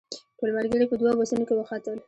ټول ملګري په دوو بسونو کې وختل.